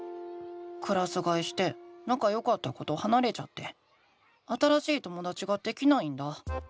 クラスがえしてなかよかった子とはなれちゃって新しいともだちができないんだ。